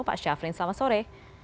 pak syafrin selamat sore